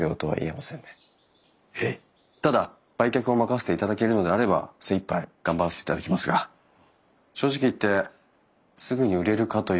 ただ売却を任せていただけるのであれば精いっぱい頑張らせていただきますが正直言ってすぐに売れるかという確約はいたしかねます。